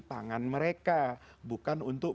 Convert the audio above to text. pangan mereka bukan untuk